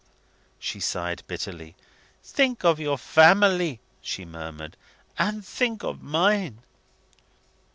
She sighed bitterly. "Think of your family," she murmured; "and think of mine!"